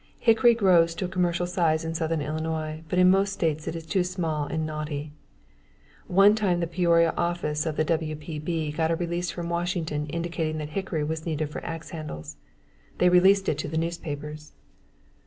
Hickory grows to a commercial size in southern Illinois but in most states it is too small and knotty. One time the Peoria office of the WPB got a release from Washington indicating that hickory was needed for axe handles. They released it to the newspapers.